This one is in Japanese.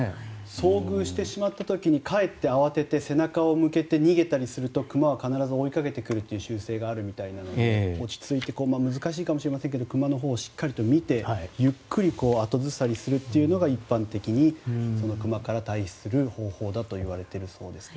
遭遇してしまった時にかえって慌てて背中を向けて逃げたりすると熊は必ず追いかけてくる習性があるみたいなので落ち着いて難しいかもしれませんが熊のほうをしっかりと見てゆっくりと後ずさりするというのが一般的に熊から退避する方法だといわれているそうですが。